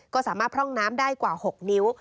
ก็สามารถพร่องน้ำได้กว่า๖นิ้ว